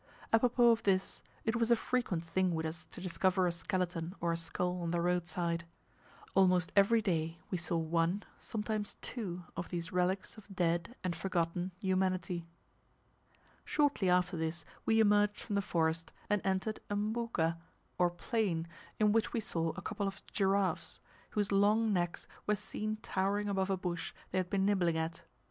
Apropos of this, it was a frequent thing with us to discover a skeleton or a skull on the roadside. Almost every day we saw one, sometimes two, of these relics of dead, and forgotten humanity. Shortly after this we emerged from the forest, and entered a mbuga, or plain, in which we saw a couple of giraffes, whose long necks were seen towering above a bush they had been nibbling at.